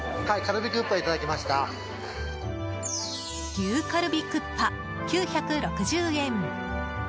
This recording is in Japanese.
牛カルビクッパ、９６０円。